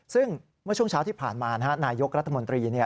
ซึ่งเมื่อช่วงเช้าที่ผ่านมานายกรัฐมนตรี